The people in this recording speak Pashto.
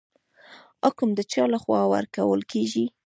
حکم د چا لخوا ورکول کیږي؟